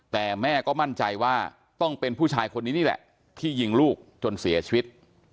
แต่แม่ก็มั่นใจว่าต้องเป็นผู้ชายคนนี้นี่แหละที่ยิงลูกจนเสียชีวิต